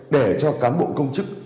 để cho cán bộ công chức